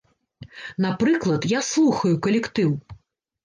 Напрыклад, я слухаю калектыў.